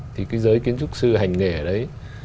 thì cái giới kiến trúc sư hành nghề ở đấy